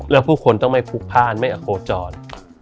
แล้วผู้คนต้องไม่พลุกพ่านไม่อโคจร